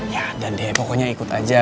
ya dan deh pokoknya ikut aja